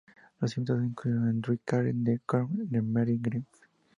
Los invitados incluyeron a Drew Carey, Tom Green y Merv Griffin.